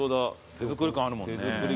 手作り感あるもんね。